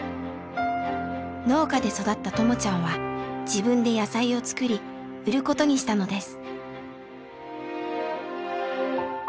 農家で育ったともちゃんは自分で野菜を作り売ることにしたのです。